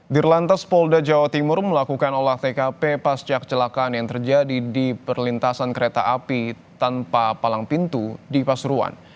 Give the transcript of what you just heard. dirlantas polda jawa timur melakukan olah tkp pasca kecelakaan yang terjadi di perlintasan kereta api tanpa palang pintu di pasuruan